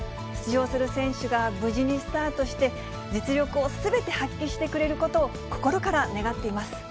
出場する選手が無事にスタートして、実力をすべて発揮してくれることを心から願っています。